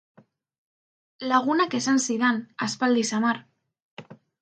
Lagunak esan zidan, aspaldi xamar.